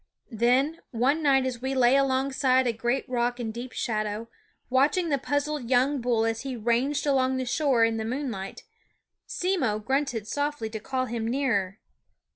Then, THE WOODS one night as we lay alongside a great rock in deep shadow, watching the puzzled young bull as he ranged along the shore in the moonlight, Simmo grunted softly to call Slfjfre Sound of him nearer.